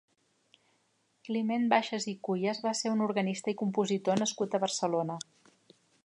Climent Baixas i Cuyas va ser un organista i compositor nascut a Barcelona.